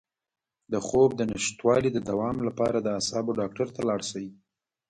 د خوب د نشتوالي د دوام لپاره د اعصابو ډاکټر ته لاړ شئ